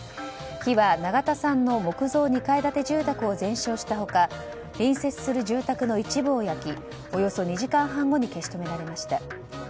火は永田さんの木造２階建て住宅を全焼した他隣接する住宅の一部を焼きおよそ２時間半後に消し止められました。